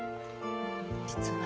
実は。